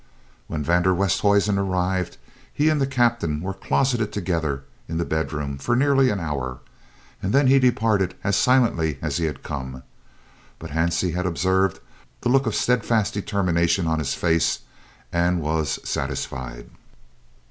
When van der Westhuizen arrived, he and the Captain were closeted together in the bedroom for nearly an hour, and then he departed as silently as he had come, but Hansie had observed the look of steadfast determination on his face, and was satisfied.